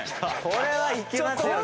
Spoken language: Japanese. これはいけますよ